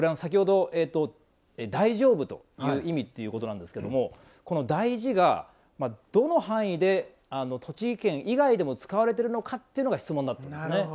大丈夫という意味ということなんですけどこの「だいじ」がどの範囲で栃木県以外でも使われているのかというのが質問だったんです。